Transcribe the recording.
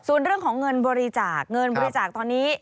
ส่วนเรื่องของเงินบริจาคเงินบริจาคตอนนี้